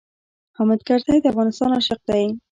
حامد کرزی د افغانستان عاشق دی.